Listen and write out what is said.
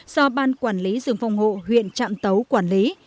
do ban quản lý rừng phòng hộ huyện trạm tấu quản lý